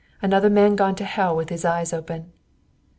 Another man gone to hell with his eyes open."